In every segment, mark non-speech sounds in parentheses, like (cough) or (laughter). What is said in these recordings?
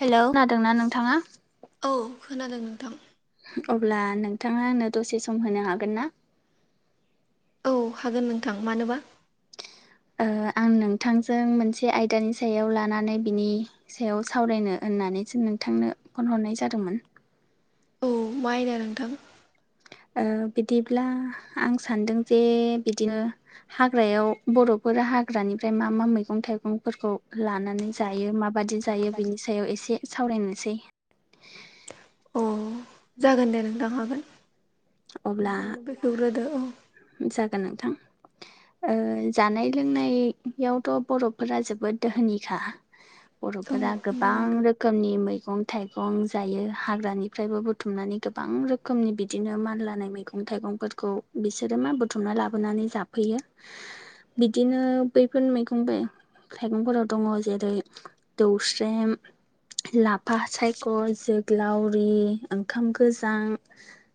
Hello नादोंना नोंथाङा? औ खोनादों नोंथां। अब्ला नोंथाङानो दसे सम होनो हागोन ना? औ हागोन नोंथां मानोबा। ओ आं नोंथांजों मोनसे आयदानि सायाव लानानै बिनि सायाव सावरायनो होननानैसो नोंथांनो फन हरनाय जादोंमोन। औ माइना नोंथां? ओ बिदिब्ला आं सानदों जे बिदिनो हाग्रायाव बर'फोरा हाग्रानिफ्राय मा मा मैगं थाइगंफोरखौ लानानै जायो माबादि जायो बिनि सायाव एसे सावरायनोसै। औ जागोन दे नोंथां हागोन अब्ला नोंथांङानो बेखेवग्रोदो औ जागोन नोंथां। ओ जानाय लोंनायावथ' बर'फोरा जोबोद दोहोनिखा औ बर'फोरा गोबां नंगौ रो रोखोमनि मैगं थाइगं जायो हाग्रानिफ्रायबो बुथुमनानै गोबां रोखोमनि बिदिनो म लानाय मैगं थाइगंफोरखौ बिसोरो मा बुथुमना लाबोनानै जाफैयो। बिदिनो बैफोर मैगंबाइ थाइगंफोराव दंङ जेरै दौस्रेम, लाफा सायख' जोग्लावरि ओंखाम गोजां,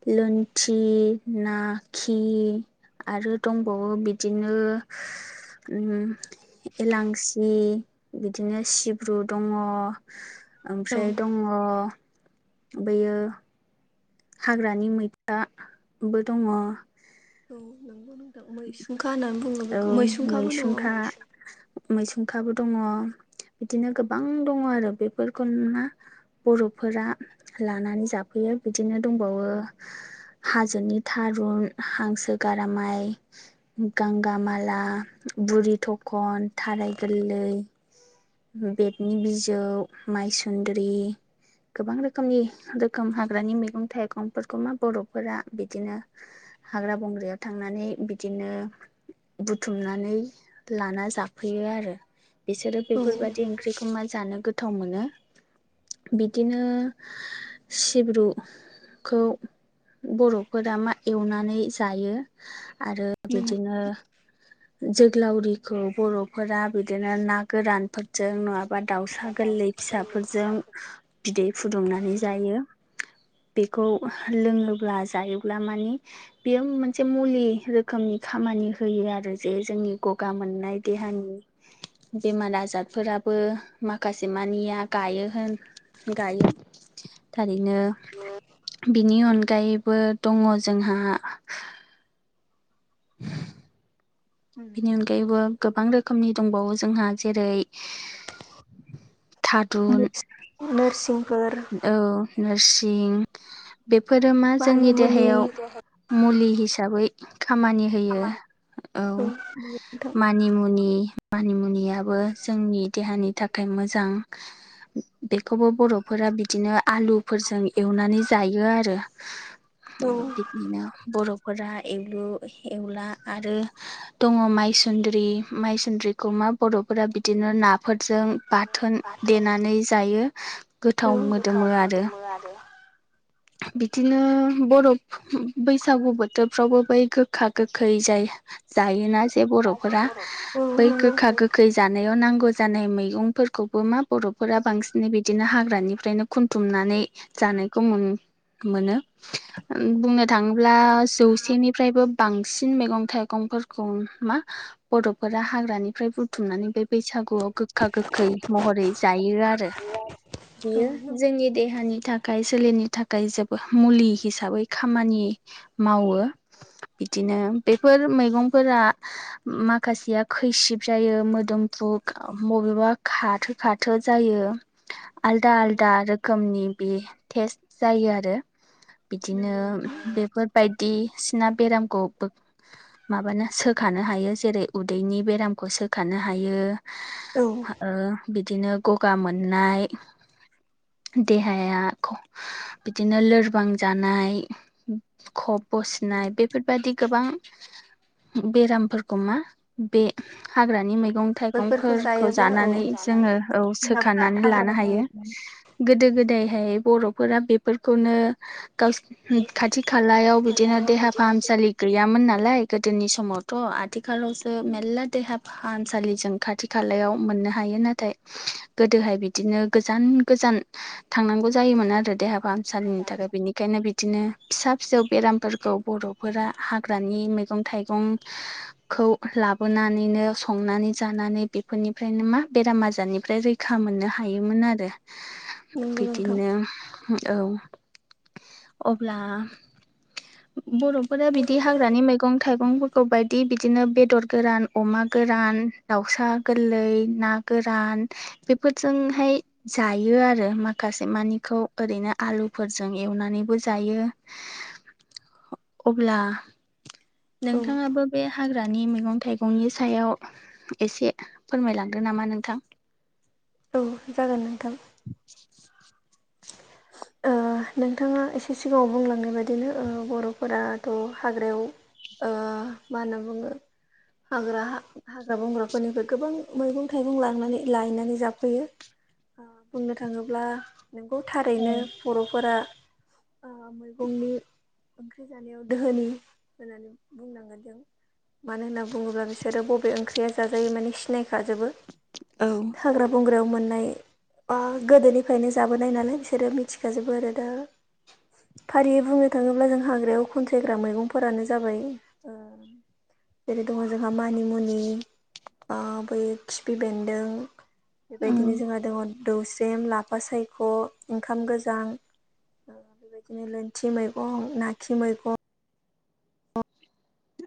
लुन थि ना खि आरो दंबावो बिदिनो उ एलांसि बिदिनो सिब्रु दंङ नोंथां औ ओमफ्राय दंङ बेयो हाग्रानि मैथाबो दंङ औ नोंगौ नोंथां मैसुंखा होननानै बुंङो बेखौ मैसुंखाबो मैसुंखा दंङ। मैसुंखाबो दंङ बिदिनो गोबां दंङ आरो बेफोरखौ नुना बर'फोरा लानानै जाफैयो बिदिनो दंबावो हाजोनि थारुन हांसो गारामाइ गांगामाला बुरि थखन थाराय गोरलै बेदनि बिजौ माइसुन्द्रि गोबां रोखोमनि रोखोम हाग्रानि मैगं थाइगंफोरखौ मा बर'फोरा बिदिनो हाग्रा बंग्रायाव थांनानै बिदिनो बुथुमनानै लाना जाफैयो आरो बिसोरो बेफोरबायादि ओंख्रिखौ मा जानो गोथाव मोनो। बिदिनो सिब्रु खौ बर'फोरा मा एवनानै जायो। आरो नों बिदिनो जोग्लावरिखौ बर'फोरा बिदिनो ना गोरानफोरजों नङा बा दाउसा गोरलै फिसाफोरजों बिदै फुदुंनानै जायो। बेखौ लोंङोब्ला जायोब्ला मानि बेयो मोनसे मुलि रोखोमनि खामानि होयो आरो जे जोंनि गगा मोननाय देहानि बेमार आजारफोराबो माखासे मानिया गायो होन गायो। थारैनो बिनि अनगायैबो दंङ जोंहा। (inaudible) बिनि अनगायैबो गोबां रोखोमनि दंबावो जोंहा जेरै थादुन (unintelligible) नोरसिंफोर औ नोरसिं बेफोरो मा जोंनि मानिमुनि देहायाव मुलि हिसाबै खामानि होयो औ थां मानिमुनि मानिमुनियाबो जोंनि देहानि थाखाय मोजां। बेखौबो बर'फोरा बिदिनो आलुफोरजों एवनानै जायो आरो। औ बिदिनो बर'फोरा एवलु एवला आरो दङ मायसुन्द्रि माइसुन्द्रिखौ मा बर'फोरा बिदिनो नाफोरजों बाथोन। देनानै जायो औ गोथाव मोदोमो आरो बिदिनो बर' बैसागु बोथोरफ्रावबो बै गोखा गोखै जाय जायोना जे बर'फोरा औ बै नंगौ गोखा गोखै जानायाव नांगौ जानाय मैगंफोरखौबो मा बर'फोरा बांसिनै बिदिनो हाग्रानिफ्रायनो खुनथुमनानै जानायखौ (unintelligible) मोनो। बुंनो थाङोब्ला जौसेनिफ्रायबो बांसिन मैगं थाइगंफोर ग मा बर'फोरा हाग्रानिफ्राय बुथुमनानै बे बैसागुआव गोखा गोखै महरै जायो आरो बेयो जोंनि देहानि थाखाय सोलेरनि थाखाय जोबोद मुलि हिसाबै खामानि मावो बिदिनो बेफोर मैगंफोरा माखासेया खैसिब जायो मोदोमफ्रु बबेबा खाथो खाथो जायो। आलदा औ आलदा रोखोमनि बि टेस्ट जायो आरो बिदिनो नंगौ नोंथां बेफोर बायदिसिना बेरामखौ माबानो सोखानो हायो जेरै उदैनि बेरामखौ सोखानो हायो। औ ओ बिदिनो गगा मोननाय देहाया (unintelligible) बिदिनो लोरबां जानाय खब औ बसिनाय बेफोरबादि गोबां औ बेरामफोरखौ मा बे हाग्रानि औ मैगं बैफोरखौ थाइगंफोरखौ जायोब्ला औ जानानै जोङो औ देहाफ्रा सोखानानै थाग्रा लानो जायो हायो। गोदो गोदायहाय बर'फोरा बेफोरखौनो गावसि खाथि खालायाव बिदिनो देहा फाहामसालि गैयामोन नालाय गोदोनि समावथ' आथिखालावसो मेलला देहा फाहामसालि जों खाथि खालायाव मोननो हायो नाथाय। गोदोहाय बिदिनो गोजान गोजान थांनांगौ जायोमोन आरो देहा फाहाम सान थाखाय बिनि ओंखायनो बिदिनो फिसा फिसौ बेरामफोरखौ बर'फोरा हाग्रानि मैगं थाइगं खौ लाबोनानैनो संनानै जानानै बेफोरनिफ्रायनो मा बेराम आजारनिफ्राय रै खा मोननो हायोमोन आरो नंगौ नोंथां बिदिनो औ अब्ला बर' बिदि हाग्रानि मैगं मैगं थाइगंफोरखौ बायदि बिदिनो बेदर गोरान अमा गोरान दाउसा गोरलै ना गोरान बेफोरजोंहाय जायो आरो माखासे मानिखौ ओरैनो आलुफोरजों एवनानैबो जायो। अब्ला औ नोंथाङाबो बे हाग्रा हाग्रानि मैगं थाइगंनि सायाव एसे फोरमायलांग्रो नामा नोंथां औ जागोन नोंथां (unintelligible) ओ नोंथाङा एसे सिगाङाव बुंलांनाय बायदिनो बर'फोराथ' हाग्रायाव ओ मा होनना बुङो हाग्रा हाग्रा बंग्राफोरनिबो गोबां मैगं थाइगं लांनानै लायनानै जाफैयो। बुंनो थाङोब्ला नोंगौ औ थारैनो बर'फोरा ओ मैगंनि ओंख्रि जानायाव दोहोनि होननानै बुंनांगोन जों मानो होनना बुङोब्ला बिसोरो बबे ओंख्रिया जाजायो माने सिनायखाजोबो। औ हाग्रा बंग्रायाव मोन्नाय बा गोदोनिफ्रायनो सो जाबोनाय नालाय बिसोरो मिथिखाजोबो आरो दा फारियै बुंनो थाङोब्ला जों हाग्रायाव खनसायग्रा मैगंफोरानो जाबाय ओ (inaudible) जेरै दङ जोंहा मानिमुनि ओ बै खिफि बेन्दों बेबायदिनो उम जोंहा दङ दौस्रेम लाफा साय ख ओंखाम गोजां बेबायदिनो लोन्थि मैगं नाखि मैगं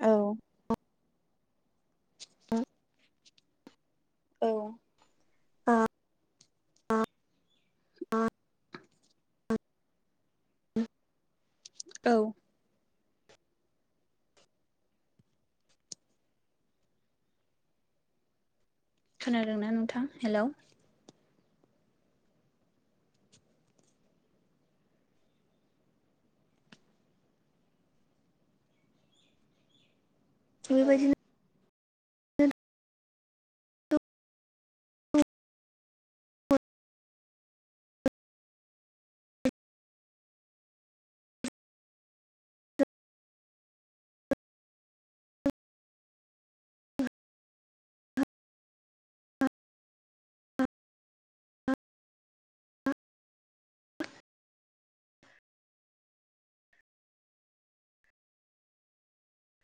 औ औ ओ (inaudible) (inaudible) औ खोनादों न नोंथां हेलौ बेबायदिनो (unintelligible)